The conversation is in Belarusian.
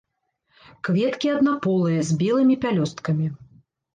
Кветкі аднаполыя, з белымі пялёсткамі.